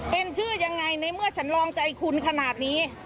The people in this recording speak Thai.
เป็นชื่อยังไงในเมื่อฉันลองใจคุณขนาดนี้